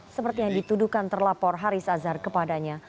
seperti yang dituduhkan terlapor haris azhar kepadanya